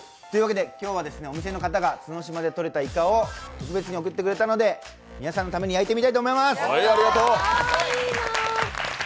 というわけで今日はお店の方が角島でとれたいかを特別に送ってくれたので皆さんのために焼こうと思います。